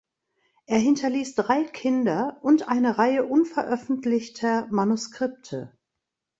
Er hinterließ drei Kinder und eine Reihe unveröffentlichter Manuskripte.